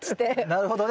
なるほどね。